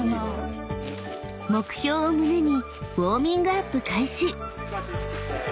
［目標を胸にウオーミングアップ開始］